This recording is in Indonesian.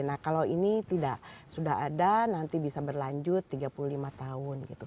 nah kalau ini tidak sudah ada nanti bisa berlanjut tiga puluh lima tahun gitu